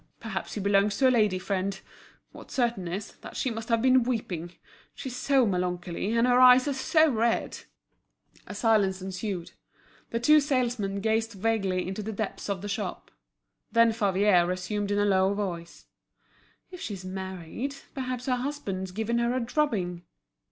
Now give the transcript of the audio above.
Perhaps he belongs to a lady friend. What's certain is, that she must have been weeping. She's so melancholy, and her eyes are so red!" A silence ensued. The two salesmen gazed vaguely into the depths of the shop. Then Favier resumed in a low voice; "If she's married, perhaps her husband's given her a drubbing."